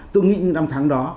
tôi nghĩ những năm tháng đó